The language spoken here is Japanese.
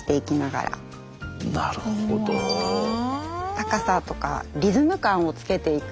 高さとかリズム感をつけていく。